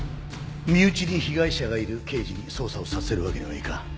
身内に被害者がいる刑事に捜査をさせるわけにはいかん。